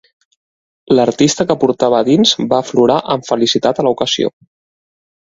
L'artista que portava dins va aflorar amb felicitat a la ocasió.